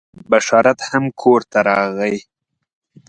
بشارت هم کور ته راغی.